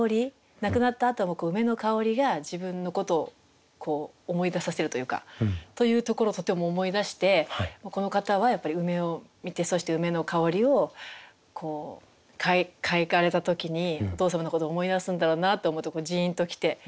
亡くなったあとも梅の香りが自分のことを思い出させるというか。というところをとても思い出してこの方はやっぱり梅を観てそして梅の香りをこう嗅がれた時にお父様のことを思い出すんだろうなと思うとじんと来て。